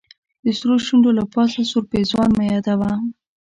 د سرو شونډو له پاسه سور پېزوان مه يادوه